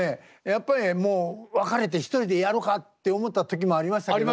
やっぱりねもう別れて１人でやろかって思った時もありましたけど。